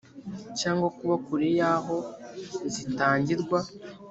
cyangwa kuba kure y aho zitangirwa